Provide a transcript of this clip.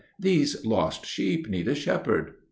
These lost sheep need a shepherd."